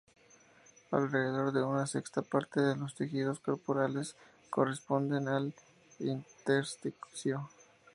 Alrededor de una sexta parte de los tejidos corporales corresponden al intersticio.